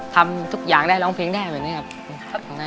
ทำทุกอย่างได้ร้องเพลงได้แบบนี้ครับ